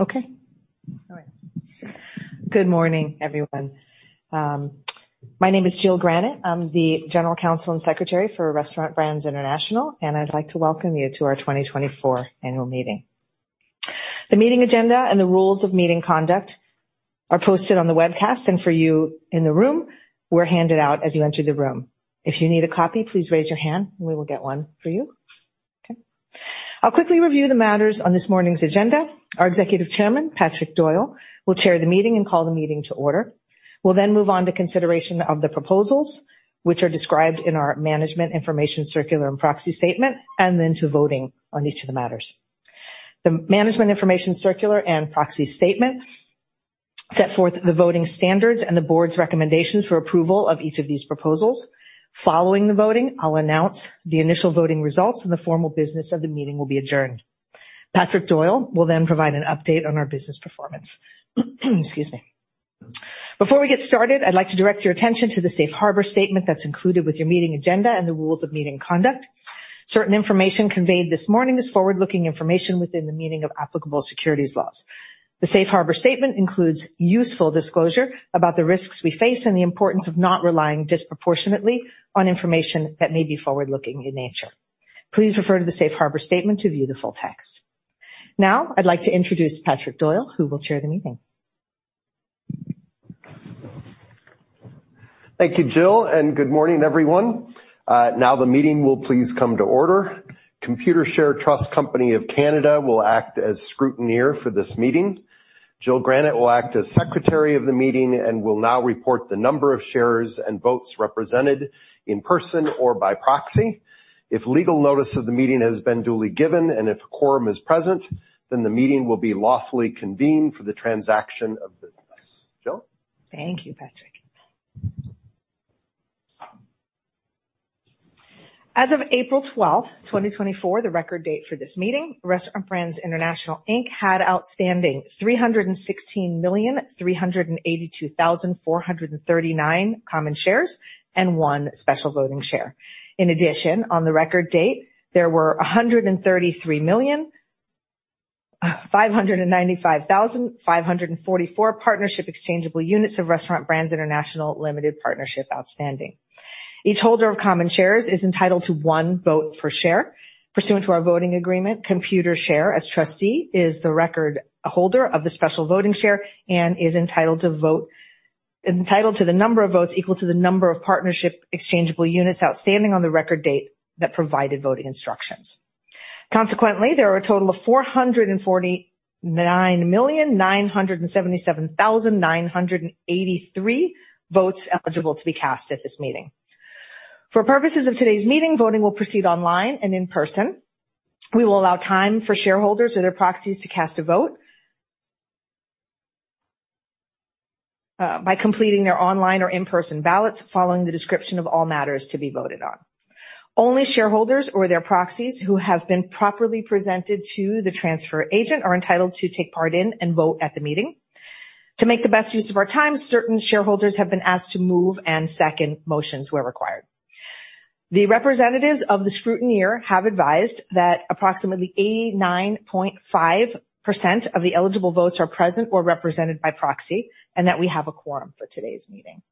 Okay. Okay. All right. Good morning, everyone. My name is Jill Granat. I'm the General Counsel and Secretary for Restaurant Brands International, and I'd like to welcome you to our 2024 annual meeting. The meeting agenda and the rules of meeting conduct are posted on the webcast, and for you in the room, were handed out as you entered the room. If you need a copy, please raise your hand, and we will get one for you. Okay. I'll quickly review the matters on this morning's agenda. Our Executive Chairman, Patrick Doyle, will chair the meeting and call the meeting to order. We'll then move on to consideration of the proposals, which are described in our management information circular and proxy statement, and then to voting on each of the matters. The Management Information Circular and Proxy Statement set forth the voting standards and the board's recommendations for approval of each of these proposals. Following the voting, I'll announce the initial voting results, and the formal business of the meeting will be adjourned. Patrick Doyle will then provide an update on our business performance. Excuse me. Before we get started, I'd like to direct your attention to the Safe Harbor Statement that's included with your meeting agenda and the rules of meeting conduct. Certain information conveyed this morning is forward-looking information within the meaning of applicable securities laws. The Safe Harbor Statement includes useful disclosure about the risks we face and the importance of not relying disproportionately on information that may be forward-looking in nature. Please refer to the Safe Harbor Statement to view the full text. Now, I'd like to introduce Patrick Doyle, who will chair the meeting. Thank you, Jill, and good morning, everyone. Now the meeting will please come to order. Computershare Trust Company of Canada will act as scrutineer for this meeting. Jill Granat will act as secretary of the meeting and will now report the number of shares and votes represented in person or by proxy. If legal notice of the meeting has been duly given, and if a quorum is present, then the meeting will be lawfully convened for the transaction of business. Jill? Thank you, Patrick. As of April 12, 2024, the record date for this meeting, Restaurant Brands International Inc. had outstanding 316,382,439 common shares and 1 special voting share. In addition, on the record date, there were 133,595,544 partnership exchangeable units of Restaurant Brands International Limited Partnership outstanding. Each holder of common shares is entitled to one vote per share. Pursuant to our voting agreement, Computershare, as trustee, is the record holder of the special voting share and is entitled to the number of votes equal to the number of partnership exchangeable units outstanding on the record date that provided voting instructions. Consequently, there are a total of 449,977,983 votes eligible to be cast at this meeting. For purposes of today's meeting, voting will proceed online and in person. We will allow time for shareholders or their proxies to cast a vote, by completing their online or in-person ballots, following the description of all matters to be voted on. Only shareholders or their proxies who have been properly presented to the transfer agent are entitled to take part in and vote at the meeting. To make the best use of our time, certain shareholders have been asked to move and second motions where required. The representatives of the scrutineer have advised that approximately 89.5% of the eligible votes are present or represented by proxy, and that we have a quorum for today's meeting.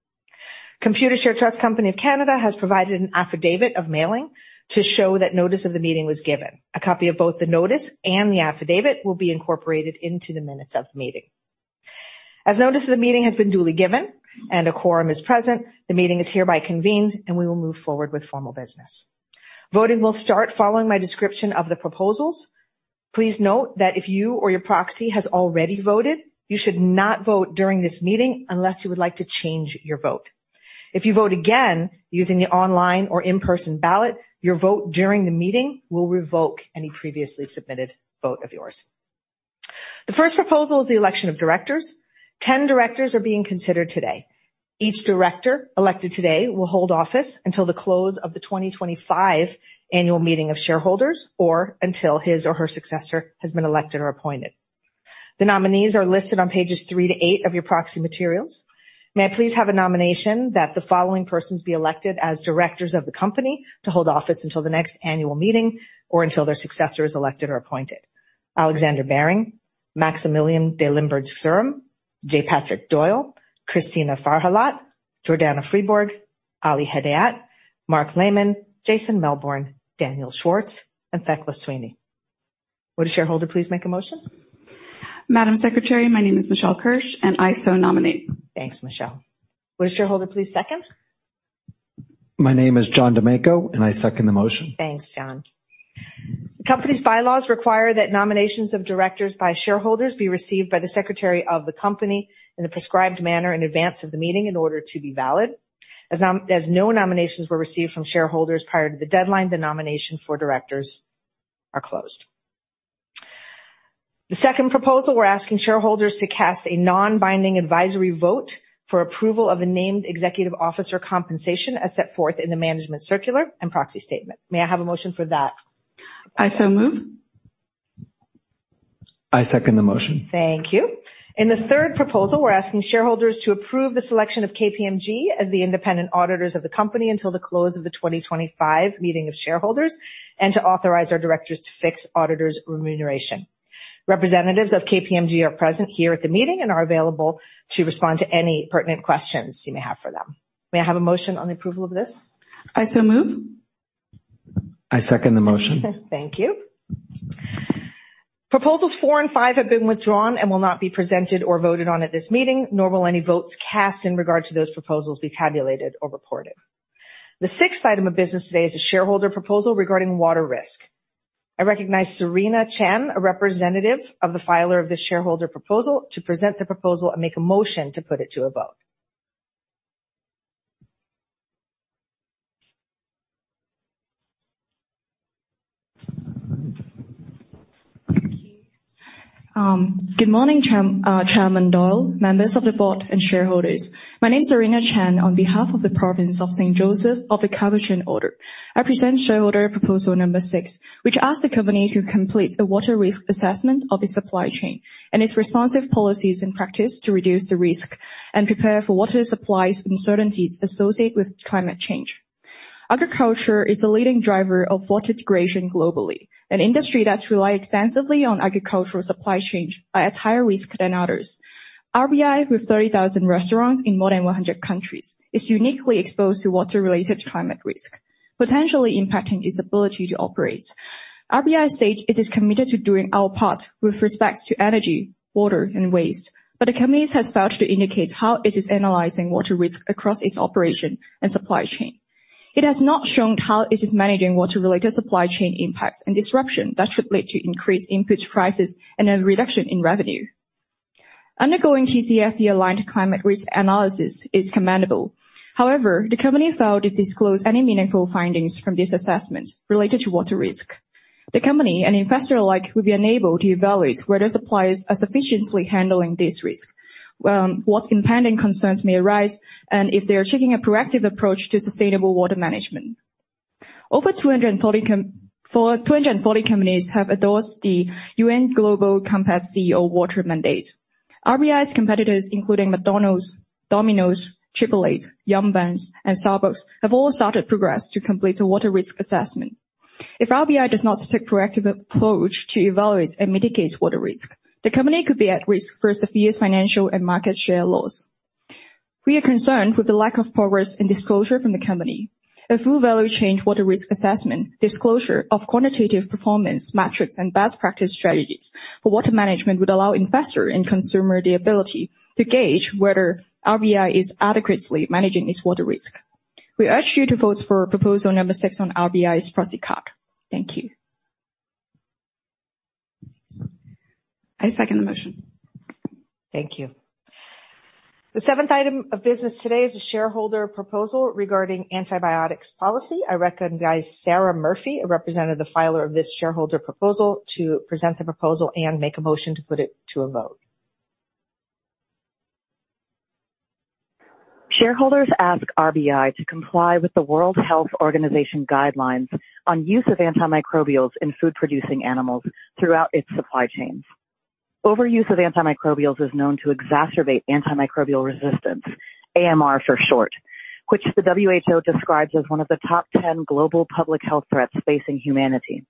Computershare Trust Company of Canada has provided an affidavit of mailing to show that notice of the meeting was given. A copy of both the notice and the affidavit will be incorporated into the minutes of the meeting. As notice of the meeting has been duly given and a quorum is present, the meeting is hereby convened, and we will move forward with formal business. Voting will start following my description of the proposals. Please note that if you or your proxy has already voted, you should not vote during this meeting unless you would like to change your vote. If you vote again using the online or in-person ballot, your vote during the meeting will revoke any previously submitted vote of yours. The first proposal is the election of directors. 10 directors are being considered today. Each director elected today will hold office until the close of the 2025 annual meeting of shareholders or until his or her successor has been elected or appointed. The nominees are listed on pages 3-8 of your proxy materials. May I please have a nomination that the following persons be elected as directors of the company to hold office until the next annual meeting or until their successor is elected or appointed? Alexandre Behring, Maximilien de Limburg Stirum, J. Patrick Doyle, Cristina Farjallat, Jordana Fribourg, Ali Hedayat, Marc Lemann, Jason Melbourne, Daniel Schwartz, and Thecla Sweeney. Would a shareholder please make a motion? Madam Secretary, my name is Michelle Kirsch, and I so nominate. Thanks, Michelle. Would a shareholder please second? My name is John DiMenco, and I second the motion. Thanks, John. The company's bylaws require that nominations of directors by shareholders be received by the secretary of the company in the prescribed manner in advance of the meeting in order to be valid. As no nominations were received from shareholders prior to the deadline, the nomination for directors are closed. The second proposal: we're asking shareholders to cast a non-binding advisory vote for approval of the named executive officer compensation as set forth in the management circular and proxy statement. May I have a motion for that? I so move. I second the motion. Thank you. In the third proposal, we're asking shareholders to approve the selection of KPMG as the independent auditors of the company until the close of the 2025 meeting of shareholders, and to authorize our directors to fix auditors remuneration. Representatives of KPMG are present here at the meeting and are available to respond to any pertinent questions you may have for them. May I have a motion on the approval of this? I so move. I second the motion. Thank you. Proposals four and five have been withdrawn and will not be presented or voted on at this meeting, nor will any votes cast in regard to those proposals be tabulated or reported. The sixth item of business today is a shareholder proposal regarding water risk. I recognize Serena Chen, a representative of the filer of this shareholder proposal, to present the proposal and make a motion to put it to a vote. Thank you. Good morning, Chair, Chairman Doyle, members of the board, and shareholders. My name is Serena Chen. On behalf of the Province of St. Joseph of the Capuchin Order, I present shareholder proposal number six, which asks the company to complete a water risk assessment of its supply chain and its responsive policies and practice to reduce the risk and prepare for water supplies uncertainties associated with climate change. Agriculture is a leading driver of water degradation globally. An industry that relies extensively on agricultural supply chains are at higher risk than others. RBI, with 30,000 restaurants in more than 100 countries, is uniquely exposed to water-related climate risk, potentially impacting its ability to operate. RBI states it is committed to doing our part with respect to energy, water, and waste, but the company has failed to indicate how it is analyzing water risk across its operations and supply chain. It has not shown how it is managing water-related supply chain impacts and disruptions that should lead to increased input prices and a reduction in revenue. Undergoing TCFD-aligned climate risk analysis is commendable. However, the company failed to disclose any meaningful findings from this assessment related to water risk. The company and investor alike will be unable to evaluate whether suppliers are sufficiently handling this risk, what impending concerns may arise, and if they are taking a proactive approach to sustainable water management. Over 240 companies have endorsed the UN Global Compact CEO Water Mandate. RBI's competitors, including McDonald's, Domino's, Chipotle, Yum! Brands, and Starbucks, have all started progress to complete a water risk assessment. If RBI does not take proactive approach to evaluate and mitigate water risk, the company could be at risk for severe financial and market share loss. We are concerned with the lack of progress and disclosure from the company. A full value chain water risk assessment, disclosure of quantitative performance metrics, and best practice strategies for water management would allow investor and consumer the ability to gauge whether RBI is adequately managing its water risk. We urge you to vote for proposal number six on RBI's proxy card. Thank you. I second the motion. Thank you. The seventh item of business today is a shareholder proposal regarding antibiotics policy. I recognize Sara Murphy, a representative, the filer of this shareholder proposal, to present the proposal and make a motion to put it to a vote. Shareholders ask RBI to comply with the World Health Organization guidelines on use of antimicrobials in food-producing animals throughout its supply chains. Overuse of antimicrobials is known to exacerbate antimicrobial resistance, AMR for short, which the WHO describes as one of the top 10 global public health threats facing humanity.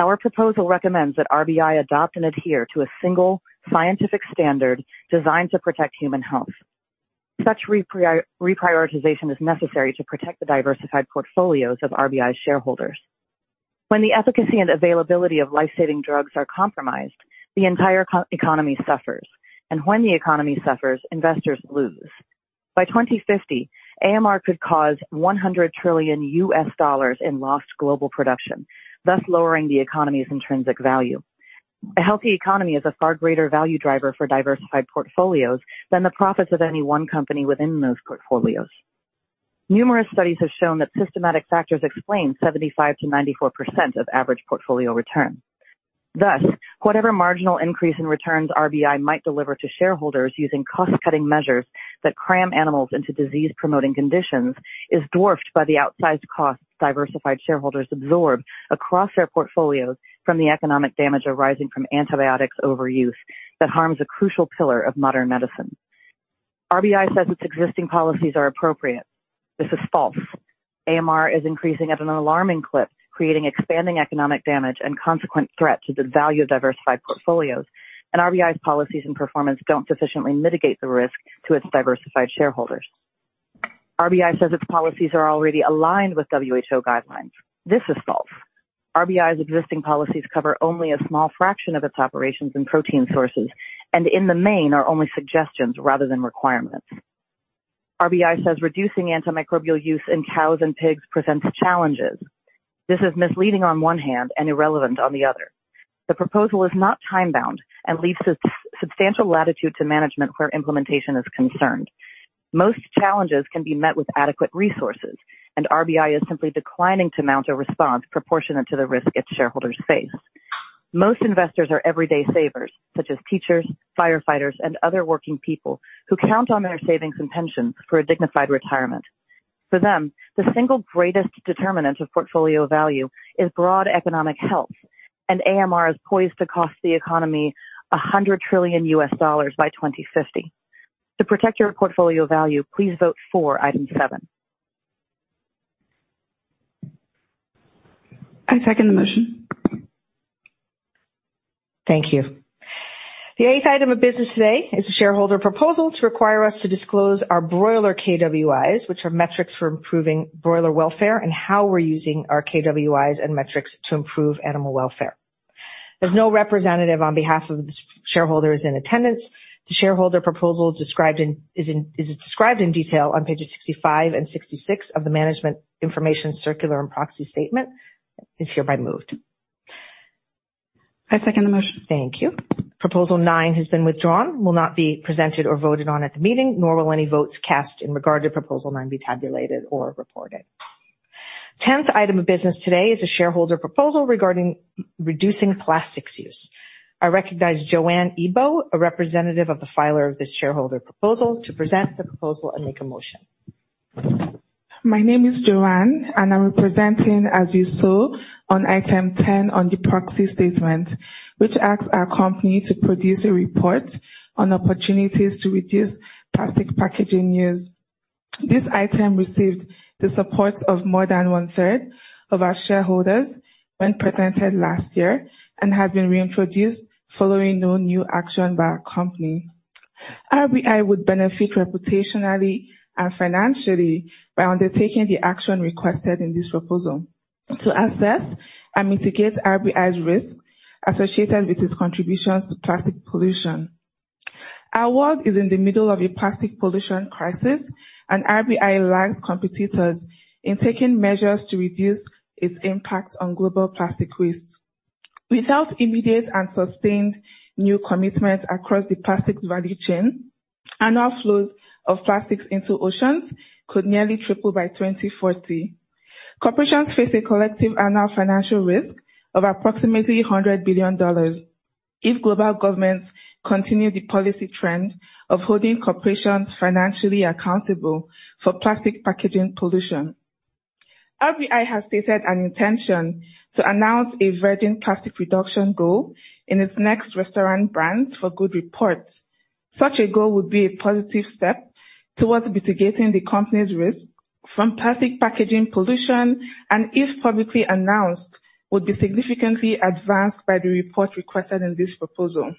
Our proposal recommends that RBI adopt and adhere to a single scientific standard designed to protect human health. Such reprioritization is necessary to protect the diversified portfolios of RBI's shareholders. When the efficacy and availability of life-saving drugs are compromised, the entire economy suffers, and when the economy suffers, investors lose. By 2050, AMR could cause $100 trillion in lost global production, thus lowering the economy's intrinsic value. A healthy economy is a far greater value driver for diversified portfolios than the profits of any one company within those portfolios. Numerous studies have shown that systematic factors explain 75%-94% of average portfolio return. Thus, whatever marginal increase in returns RBI might deliver to shareholders using cost-cutting measures that cram animals into disease-promoting conditions, is dwarfed by the outsized costs diversified shareholders absorb across their portfolios from the economic damage arising from antibiotics overuse that harms a crucial pillar of modern medicine. RBI says its existing policies are appropriate. This is false. AMR is increasing at an alarming clip, creating expanding economic damage and consequent threat to the value of diversified portfolios, and RBI's policies and performance don't sufficiently mitigate the risk to its diversified shareholders. RBI says its policies are already aligned with WHO guidelines. This is false. RBI's existing policies cover only a small fraction of its operations and protein sources, and in the main, are only suggestions rather than requirements. RBI says reducing antimicrobial use in cows and pigs presents challenges. This is misleading on one hand and irrelevant on the other. The proposal is not time-bound and leaves substantial latitude to management where implementation is concerned. Most challenges can be met with adequate resources, and RBI is simply declining to mount a response proportionate to the risk its shareholders face. Most investors are everyday savers, such as teachers, firefighters, and other working people who count on their savings and pensions for a dignified retirement. For them, the single greatest determinant of portfolio value is broad economic health, and AMR is poised to cost the economy $100 trillion by 2050. To protect your portfolio value, please vote for item seven. I second the motion. Thank you. The eighth item of business today is a shareholder proposal to require us to disclose our broiler KWIs, which are metrics for improving broiler welfare and how we're using our KWIs and metrics to improve animal welfare. There's no representative on behalf of the shareholder in attendance. The shareholder proposal is described in detail on pages 65 and 66 of the Management Information Circular and Proxy Statement, is hereby moved. I second the motion. Thank you. Proposal nine has been withdrawn, will not be presented or voted on at the meeting, nor will any votes cast in regard to proposal nine be tabulated or reported. 10th item of business today is a shareholder proposal regarding reducing plastics use. I recognize Joanne Igbokwe, a representative of the filer of this shareholder proposal, to present the proposal and make a motion. My name is Joanne, and I'm representing, As You Sow, on item 10 on the proxy statement, which asks our company to produce a report on opportunities to reduce plastic packaging use. This item received the support of more than one-third of our shareholders when presented last year and has been reintroduced following no new action by our company. RBI would benefit reputationally and financially by undertaking the action requested in this proposal to assess and mitigate RBI's risk associated with its contributions to plastic pollution. Our world is in the middle of a plastic pollution crisis, and RBI lags competitors in taking measures to reduce its impact on global plastic waste. Without immediate and sustained new commitments across the plastics value chain, annual flows of plastics into oceans could nearly triple by 2040. Corporations face a collective annual financial risk of approximately $100 billion if global governments continue the policy trend of holding corporations financially accountable for plastic packaging pollution. RBI has stated an intention to announce a virgin plastic reduction goal in its next Restaurant Brands for Good report. Such a goal would be a positive step towards mitigating the company's risk from plastic packaging pollution, and if publicly announced, would be significantly advanced by the report requested in this proposal.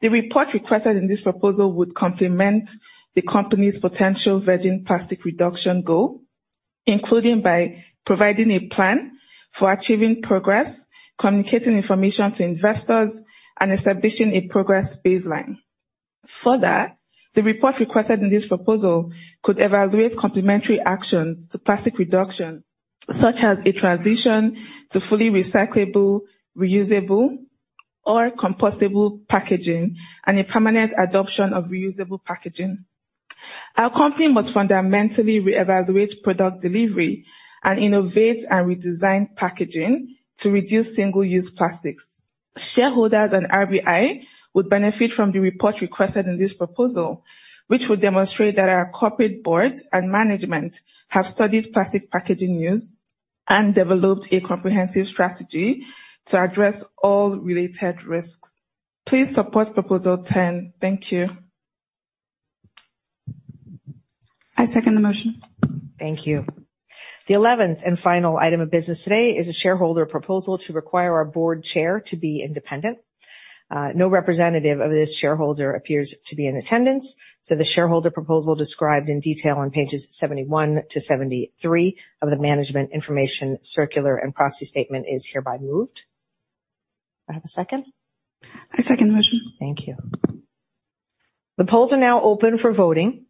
The report requested in this proposal would complement the company's potential virgin plastic reduction goal, including by providing a plan for achieving progress, communicating information to investors, and establishing a progress baseline. Further, the report requested in this proposal could evaluate complementary actions to plastic reduction, such as a transition to fully recyclable, reusable, or compostable packaging and a permanent adoption of reusable packaging. Our company must fundamentally reevaluate product delivery and innovate and redesign packaging to reduce single-use plastics. Shareholders and RBI would benefit from the report requested in this proposal, which would demonstrate that our corporate board and management have studied plastic packaging use and developed a comprehensive strategy to address all related risks. Please support proposal 10. Thank you. I second the motion. Thank you. The eleventh and final item of business today is a shareholder proposal to require our board chair to be independent. No representative of this shareholder appears to be in attendance, so the shareholder proposal described in detail on pages 71-73 of the Management Information Circular and Proxy Statement is hereby moved. Do I have a second? I second the motion. Thank you. The polls are now open for voting.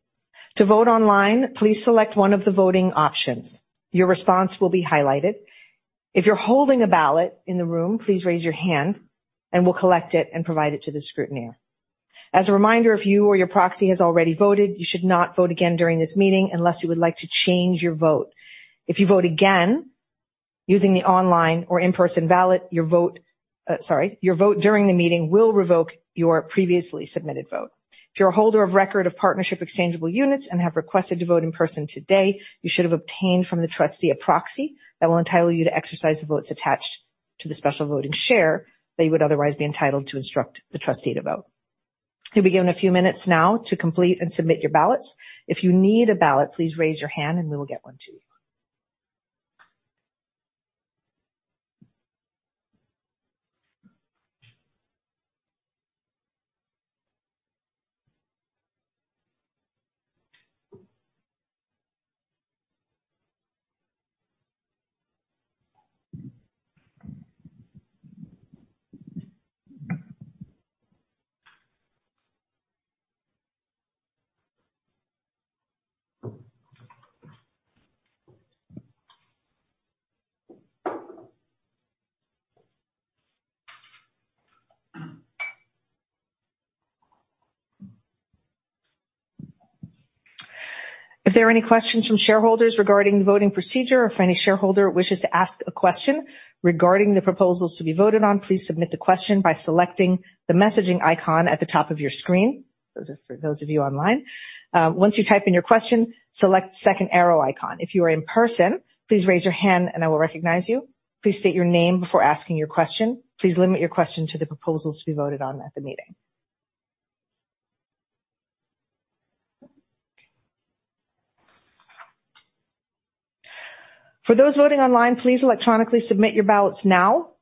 To vote online, please select one of the voting options. Your response will be highlighted. If you're holding a ballot in the room, please raise your hand, and we'll collect it and provide it to the scrutineer. As a reminder, if you or your proxy has already voted, you should not vote again during this meeting unless you would like to change your vote. If you vote again using the online or in-person ballot, your vote during the meeting will revoke your previously submitted vote. If you're a holder of record of Partnership Exchangeable Units and have requested to vote in person today, you should have obtained from the trustee a proxy that will entitle you to exercise the votes attached to the Special Voting Share that you would otherwise be entitled to instruct the trustee to vote. You'll be given a few minutes now to complete and submit your ballots. If you need a ballot, please raise your hand, and we will get one to you. If there are any questions from shareholders regarding the voting procedure, or if any shareholder wishes to ask a question regarding the proposals to be voted on, please submit the question by selecting the messaging icon at the top of your screen. Those are for those of you online. Once you type in your question, select the second arrow icon. If you are in person, please raise your hand, and I will recognize you. Please state your name before asking your question. Please limit your question to the proposals to be voted on at the meeting. For those voting online, please electronically submit your ballots now.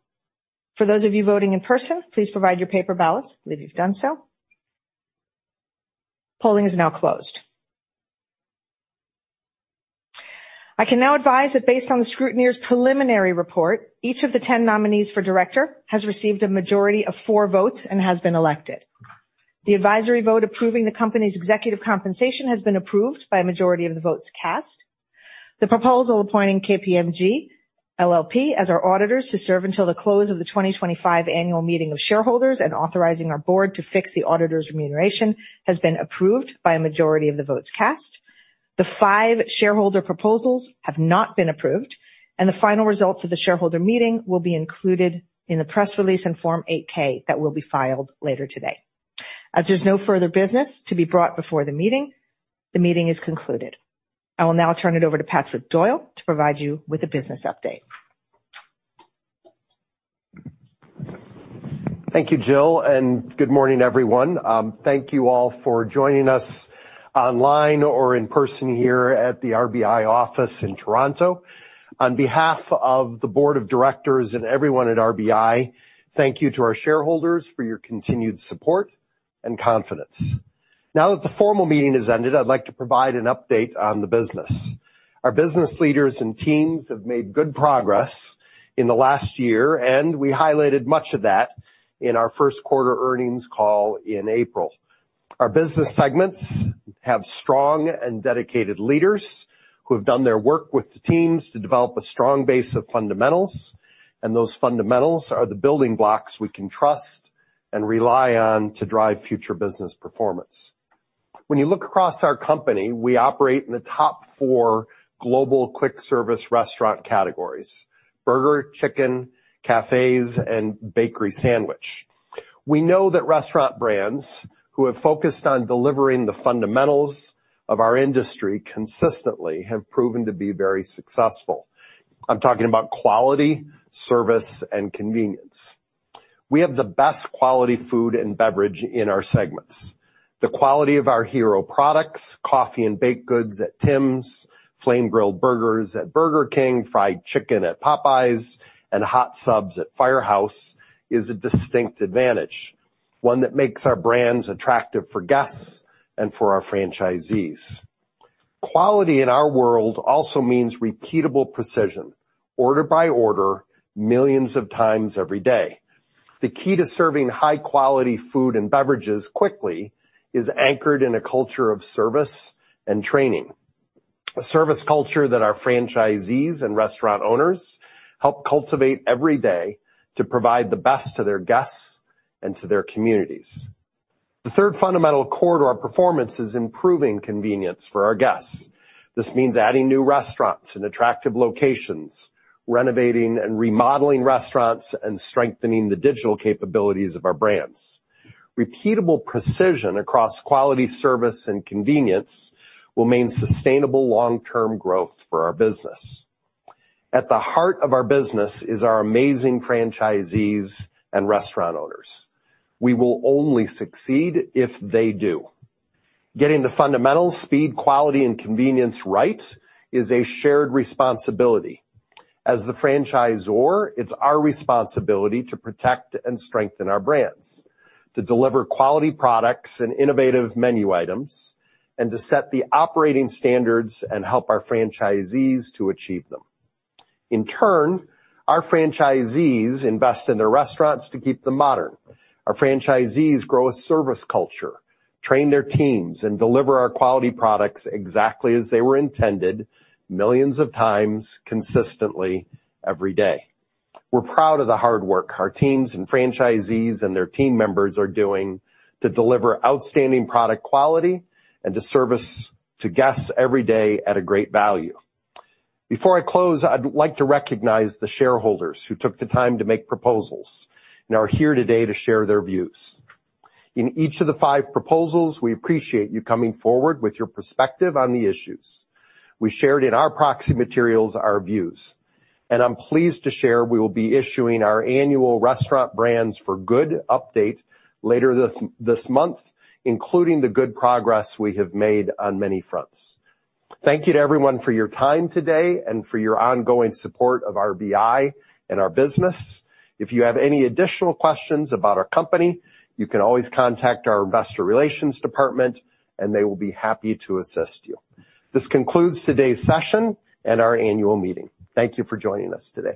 For those of you voting in person, please provide your paper ballots. Believe you've done so. Polling is now closed. I can now advise that based on the scrutineer's preliminary report, each of the 10 nominees for director has received a majority of four votes and has been elected. The advisory vote approving the company's executive compensation has been approved by a majority of the votes cast. The proposal appointing KPMG LLP as our auditors to serve until the close of the 2025 annual meeting of shareholders and authorizing our board to fix the auditor's remuneration, has been approved by a majority of the votes cast. The five shareholder proposals have not been approved, and the final results of the shareholder meeting will be included in the press release and Form 8-K that will be filed later today. As there's no further business to be brought before the meeting, the meeting is concluded. I will now turn it over to Patrick Doyle to provide you with a business update. Thank you, Jill, and good morning, everyone. Thank you all for joining us online or in person here at the RBI office in Toronto. On behalf of the board of directors and everyone at RBI, thank you to our shareholders for your continued support and confidence. Now that the formal meeting has ended, I'd like to provide an update on the business. Our business leaders and teams have made good progress in the last year, and we highlighted much of that in our first quarter earnings call in April. Our business segments have strong and dedicated leaders who have done their work with the teams to develop a strong base of fundamentals, and those fundamentals are the building blocks we can trust and rely on to drive future business performance. When you look across our company, we operate in the top four global quick service restaurant categories: burger, chicken, cafes, and bakery sandwich. We know that restaurant brands who have focused on delivering the fundamentals of our industry consistently have proven to be very successful. I'm talking about quality, service, and convenience. We have the best quality food and beverage in our segments. The quality of our hero products, coffee and baked goods at Tims, Flame-Grilled burgers at Burger King, fried chicken at Popeyes, and hot subs at Firehouse, is a distinct advantage, one that makes our brands attractive for guests and for our franchisees. Quality in our world also means repeatable precision, order by order, millions of times every day. The key to serving high-quality food and beverages quickly is anchored in a culture of service and training, a service culture that our franchisees and restaurant owners help cultivate every day to provide the best to their guests and to their communities. The third fundamental cord to our performance is improving convenience for our guests. This means adding new restaurants in attractive locations, renovating and remodeling restaurants, and strengthening the digital capabilities of our brands. Repeatable precision across quality, service, and convenience will mean sustainable long-term growth for our business. At the heart of our business is our amazing franchisees and restaurant owners. We will only succeed if they do. Getting the fundamental speed, quality, and convenience right is a shared responsibility. As the franchisor, it's our responsibility to protect and strengthen our brands, to deliver quality products and innovative menu items, and to set the operating standards and help our franchisees to achieve them. In turn, our franchisees invest in their restaurants to keep them modern. Our franchisees grow a service culture, train their teams, and deliver our quality products exactly as they were intended, millions of times, consistently, every day. We're proud of the hard work our teams and franchisees and their team members are doing to deliver outstanding product quality and to service to guests every day at a great value. Before I close, I'd like to recognize the shareholders who took the time to make proposals and are here today to share their views. In each of the five proposals, we appreciate you coming forward with your perspective on the issues. We shared in our proxy materials our views, and I'm pleased to share we will be issuing our annual Restaurant Brands for Good update later this month, including the good progress we have made on many fronts. Thank you to everyone for your time today and for your ongoing support of RBI and our business. If you have any additional questions about our company, you can always contact our investor relations department, and they will be happy to assist you. This concludes today's session and our annual meeting. Thank you for joining us today.